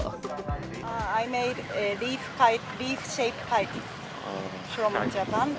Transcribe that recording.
saya membuat kait kait berbentuk kait dari jepang